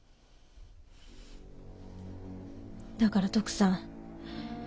だから徳さん